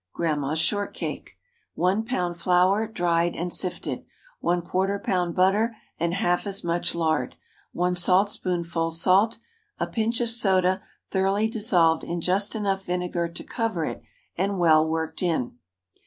GRANDMA'S SHORTCAKE. 1 lb. flour, dried and sifted. ¼ lb. butter, and half as much lard. 1 saltspoonful salt. A pinch of soda, thoroughly dissolved in just enough vinegar to cover it, and well worked in.